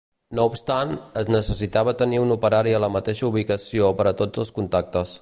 No obstant, es necessitava tenir un operari a la mateixa ubicació per a tots els contactes.